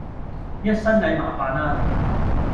一身蟻麻煩啦